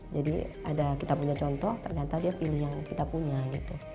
jadi ada kita punya contoh ternyata dia pilih yang kita punya gitu